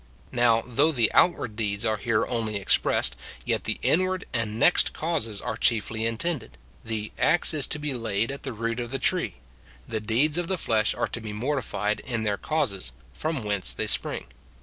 Now, though the outward deeds are here only expressed, yet the inward and next causes are chiefly intended ; the " axe is to be laid at the root of the tree," — the deeds of the flesh are to be mortified in their causes, from whence they spring.